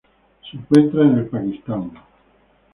Se encuentra el Pakistán.